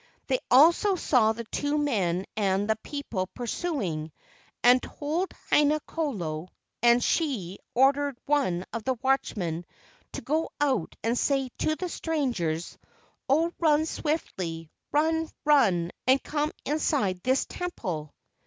They also saw the two men and the people pursuing, and told Haina kolo, and she ordered one of the watchmen to go out and say to the strangers, "Oh, run swiftly; run, run, and come inside this temple!"